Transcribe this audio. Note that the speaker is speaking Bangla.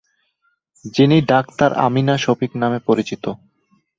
যিনি ডাক্তার আমিনা শফিক নামে পরিচিত।